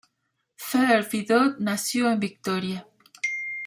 Faure-Vidot nació en Victoria.